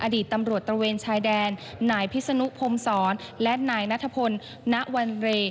อดีตตำรวจตระเวนชายแดนนายพิษนุพงศรและนายนัทพลณวันเร